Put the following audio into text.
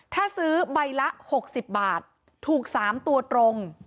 ถ้าซื้อใบละ๖๐บาทถูก๓ตัวตรง